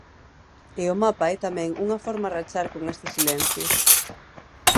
E o mapa é tamén unha forma rachar con estes silencios.